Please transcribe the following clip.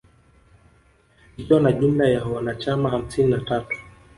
Ikiwa na jumla ya wanachama hamsini na tatu